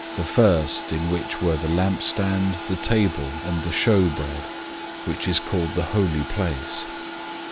In the first part were the lampstand, the table, and the show bread; which is called the Holy Place.